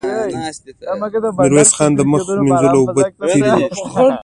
ميرويس خان د مخ مينځلو اوبه ترې وغوښتې.